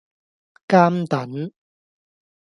監躉